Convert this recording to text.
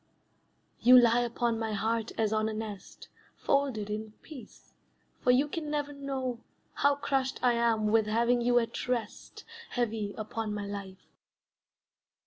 You lie upon my heart as on a nest, Folded in peace, for you can never know How crushed I am with having you at rest Heavy upon my life.